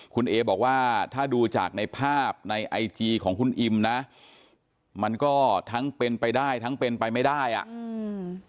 คุณเอบอกว่าถ้าดูจากในภาพในไอจีของคุณอิมนะมันก็ทั้งเป็นไปได้ทั้งเป็นไปไม่ได้อ่ะอืม